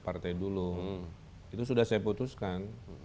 partai dulu itu sudah saya putuskan